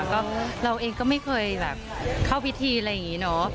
ก็เราเองก็ไม่เคยแบบเข้าพิธีอะไรอย่างนี้เนอะ